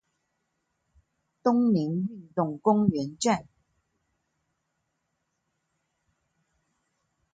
東寧運動公園站